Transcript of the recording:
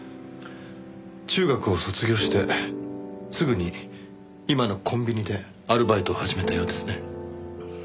中学を卒業してすぐに今のコンビニでアルバイトを始めたようですね。